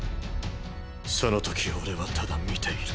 その時俺はただ見ている。